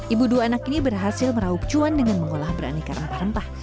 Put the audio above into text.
ibu dua anak ini berhasil meraup cuan dengan mengolah beraneka rempah rempah